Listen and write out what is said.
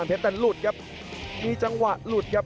เพชรแต่หลุดครับมีจังหวะหลุดครับ